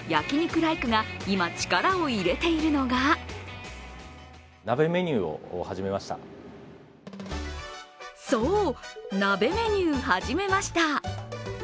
ライクが今、力を入れているのがそう、鍋メニュー、始めました。